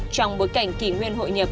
trong bối cảnh kỷ nguyên hội nhập